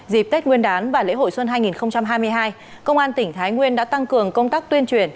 dịp tết nguyên đán và lễ hội xuân hai nghìn hai mươi hai công an tỉnh thái nguyên đã tăng cường công tác tuyên truyền